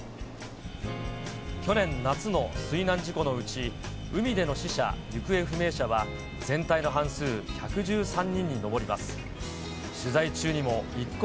去年夏の水難事故のうち、海での死者・行方不明者は全体の半数１１３人に上ります。